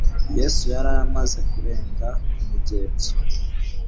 Yesu yari yamaze kurenga ku migenzo